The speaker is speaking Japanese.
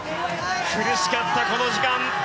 苦しかった、この時間。